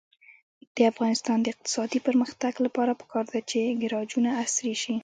د افغانستان د اقتصادي پرمختګ لپاره پکار ده چې ګراجونه عصري شي.